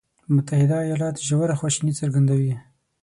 متحده ایالات ژوره خواشیني څرګندوي.